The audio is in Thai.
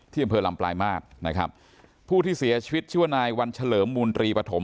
อำเภอลำปลายมาตรนะครับผู้ที่เสียชีวิตชื่อว่านายวันเฉลิมมูลตรีปฐม